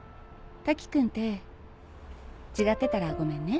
瀧くんって違ってたらごめんね？